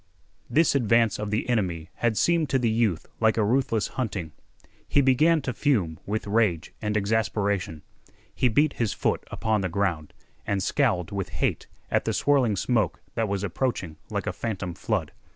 This advance of the enemy had seemed to the youth like a ruthless hunting. He began to fume with rage and exasperation. He beat his foot upon the ground, and scowled with hate at the swirling smoke that was approaching like a phantom flood.